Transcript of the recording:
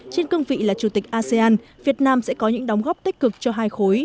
hai nghìn hai mươi trên cương vị là chủ tịch asean việt nam sẽ có những đóng góp tích cực cho hai khối